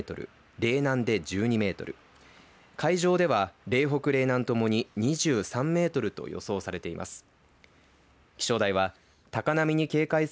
嶺南で１２メートル海上では、嶺北、嶺南ともに２３メートルと予想されています。